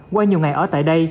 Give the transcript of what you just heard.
qua nhiều ngày ở tại đây